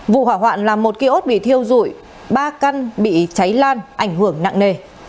vụ hỏa hoạn làm một kia ốt bị thiêu rụi ba căn bị cháy lan ảnh hưởng nặng nề